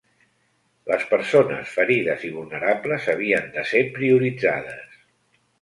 Les persones ferides i vulnerables havien de ser prioritzades.